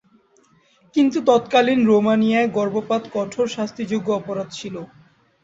কিন্তু তৎকালীন রোমানিয়ায় গর্ভপাত কঠোর শাস্তিযোগ্য অপরাধ ছিল।